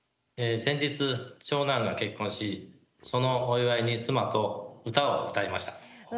先日長男が結婚しそのお祝いに妻と歌を歌いました。